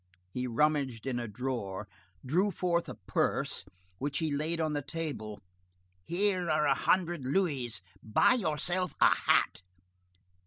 He rummaged in a drawer, drew forth a purse, which he laid on the table: "Here are a hundred louis, buy yourself a hat."